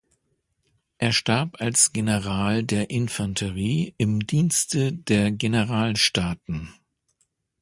Er starb als General der Infanterie im Dienste der Generalstaaten.